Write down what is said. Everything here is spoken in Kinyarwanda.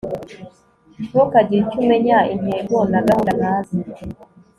Ntukagire icyo umenya intego na gahunda ntazi